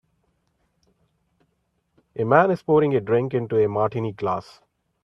A man is pouring a drink into a martini glass.